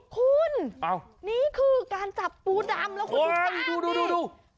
คุณนี่คือการจับปูดำแล้วคุณกล้ามเนี่ย